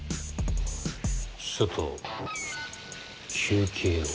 ちょっと休憩を。